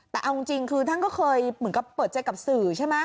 แต่เอาจริงคือท่านก็เคยเหมือนกับเปิดใจกับสื่อใช่ไหม